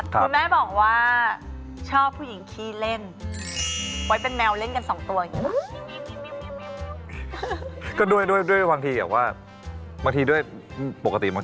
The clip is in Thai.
คุณแม่บอกว่าชอบผู้หญิงคี่เล่น